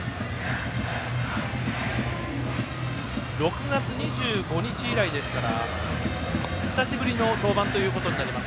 ６月２５日以来ですから久しぶりの登板ということになります。